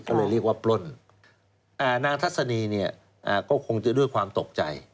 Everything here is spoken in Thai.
ก็เลยเรียกว่าปล้นนางทัศนีเนี่ยก็คงจะด้วยความตกใจ